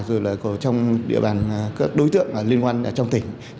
rồi là trong địa bàn các đối tượng liên quan trong tỉnh